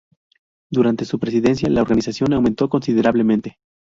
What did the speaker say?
Durante su presidencia la organización aumentó considerablemente.